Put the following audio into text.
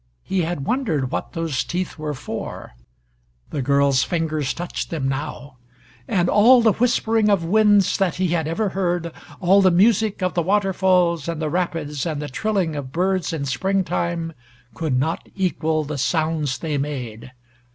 He had wondered what those teeth were for. The girl's fingers touched them now, and all the whispering of winds that he had ever heard, all the music of the waterfalls and the rapids and the trilling of birds in spring time, could not equal the sounds they made.